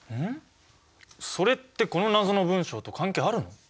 それってこの謎の文章と関係あるの？